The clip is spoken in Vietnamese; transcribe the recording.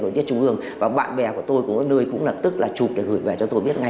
nội tiết trung ương và bạn bè của tôi cũng ở nơi cũng lập tức là chụp để gửi về cho tôi biết ngay